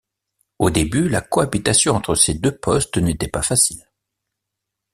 Au début, la cohabitation entre ces deux postes n’était pas facile.